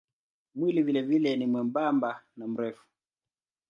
Mwili vilevile ni mwembamba na mrefu.